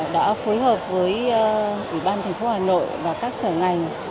đã phối hợp với ủy ban thành phố hà nội và các sở ngành